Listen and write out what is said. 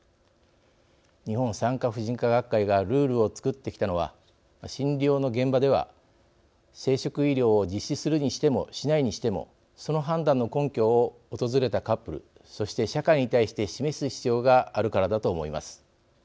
日本産科婦人科学会がルールをつくってきたのは診療の現場では生殖医療を実施するにしてもしないにしてもその判断の根拠を訪れたカップルそして社会に対して示す必要があるからだと思います。